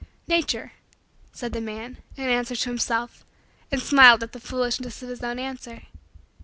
"Nature," said the man, in answer to himself, and smiled at the foolishness of his own answer.